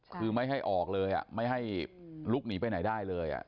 คือไม่ให้ออกเลยไม่ให้ลุกหนีไปไหนได้เลย